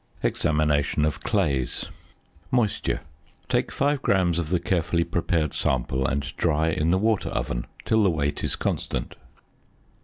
EXAMINATION OF CLAYS. ~Moisture.~ Take 5 grams of the carefully prepared sample and dry in the water oven till the weight is constant.